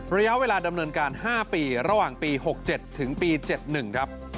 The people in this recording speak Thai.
ระยะเวลาดำเนินการ๕ปีระหว่างปี๖๗ถึงปี๗๑ครับ